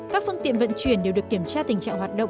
các phương tiện vận chuyển đều được kiểm tra tình trạng hoạt động